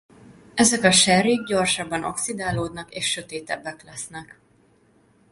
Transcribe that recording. Ezek a sherryk gyorsabban oxidálódnak és sötétebbek lesznek.